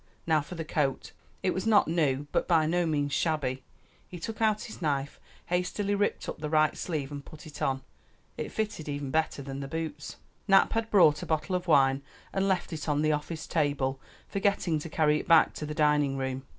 Now for the coat. It was not new, but by no means shabby. He took out his knife, hastily ripped up the right sleeve and put it on. It fitted even better than the boots. Nap had brought a bottle of wine and left it on the office table, forgetting to carry it back to the dining room.